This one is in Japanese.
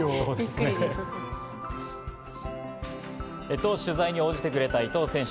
と、取材に応じてくれた伊藤選手。